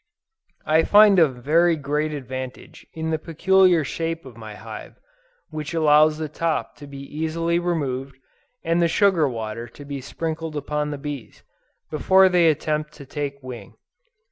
I find a very great advantage in the peculiar shape of my hive, which allows the top to be easily removed, and the sugar water to be sprinkled upon the bees, before they attempt to take wing.